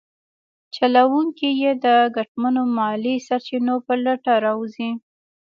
چلونکي یې د ګټمنو مالي سرچینو په لټه راوځي.